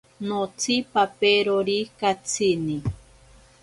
Notsipaperori katsini.